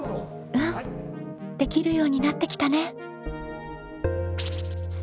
うんできるようになってきたね。